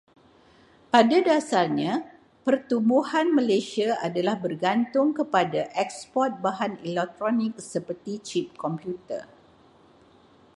Pada dasarnya, pertumbuhan Malaysia adalah bergantung kepada eksport bahan elektronik seperti cip komputer.